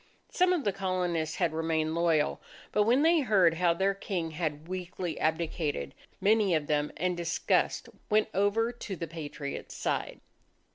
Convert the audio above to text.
Some of the Colonists had remained loyal, but when they heard how their King had weakly abdicated many of them, in disgust, went over to the Patriots' side.